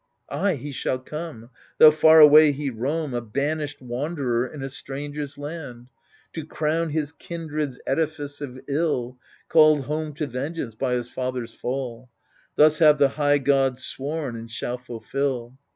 Ay, he shall come — tho' far away he roam, A banished wanderer in a stranger's land — To crown his kindred's edifice of ill. Called home to vengeance by his father's fall : Thus have the high gods sworn, and shall fulfil.